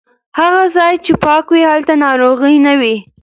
هغه ځای چې پاک وي هلته ناروغي نه وي.